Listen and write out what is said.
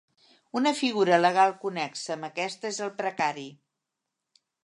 Una figura legal connexa amb aquesta és el precari.